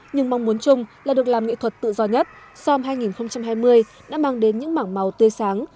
nhưng mong muốn chung là được làm nghệ thuật tự do nhất som hai nghìn hai mươi đã mang đến những mảng màu tươi sáng